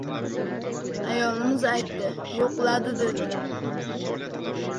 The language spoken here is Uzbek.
— Ayolimiz aytdi, yo‘qladi, dedi.